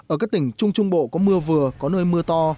ở các tỉnh trung trung bộ có mưa vừa có nơi mưa to